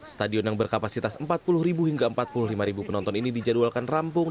stadion yang berkapasitas empat puluh hingga empat puluh lima penonton ini dijadwalkan rampung